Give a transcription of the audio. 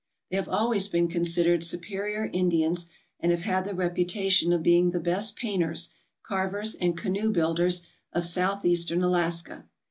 They have always been considered superior Indians and have had the reputation of being the best painters, carvers, and canoe builders of Southeastern Alaska.